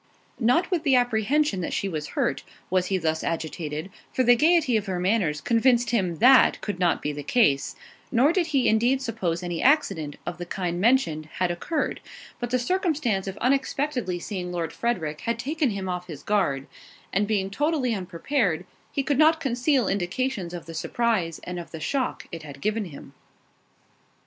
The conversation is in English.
Not with the apprehension that she was hurt, was he thus agitated, for the gaiety of her manners convinced him that could not be the case, nor did he indeed suppose any accident, of the kind mentioned, had occurred; but the circumstance of unexpectedly seeing Lord Frederick had taken him off his guard, and being totally unprepared, he could not conceal indications of the surprise, and of the shock it had given him.